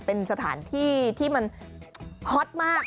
เป็นสถานที่ที่มันฮอตมาก